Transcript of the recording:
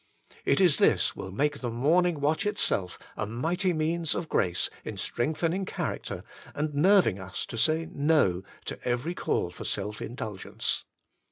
It is this will make the morning watch itself a mighty means of grace in strengthening character, and nerving us to say No to every call for self indul gence.